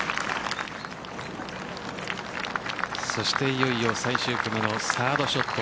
そしていよいよ最終組のサードショット。